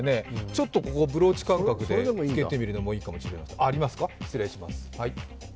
ちょっとブローチ感覚でつけてみるのもいいかもしれない。